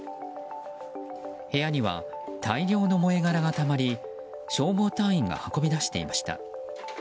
部屋には大量の燃え殻がたまり消防隊員が運び出していました。